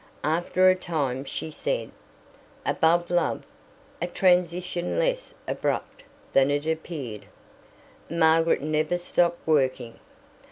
After a time she said: "Above love," a transition less abrupt than it appeared. Margaret never stopped working.